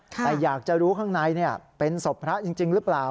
แต่อยากจะรู้ข้างในเป็นศพพระจริงหรือเปล่า